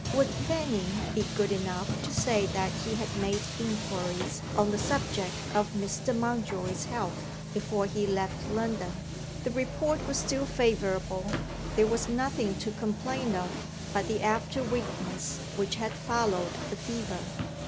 Would Fanny be good enough to say that he had made inquiries on the subject of Mr. Mountjoy's health, before he left London. The report was still favourable; there was nothing to complain of but the after weakness which had followed the fever.